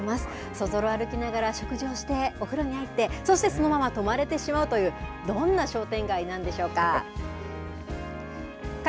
そぞろ歩きながら食事をして、お風呂に入って、そしてそのまま泊まれてしまうという、どんな商店街なんでしょうか。